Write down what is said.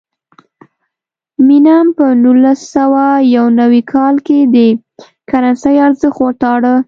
مینم په نولس سوه یو نوي کال کې د کرنسۍ ارزښت وتاړه.